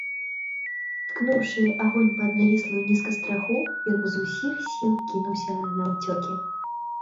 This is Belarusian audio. Ткнуўшы агонь пад навіслую нізка страху, ён з усіх сіл кінуўся наўцёкі.